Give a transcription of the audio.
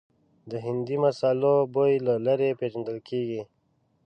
د هندي مسالو بوی له لرې پېژندل کېږي.